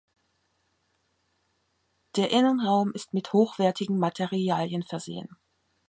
Der Innenraum ist mit hochwertigen Materialien versehen.